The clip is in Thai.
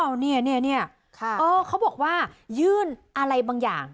อ้าวเนี่ยเนี่ยเนี่ยค่ะอ๋อเขาบอกว่ายื่นอะไรบางอย่าง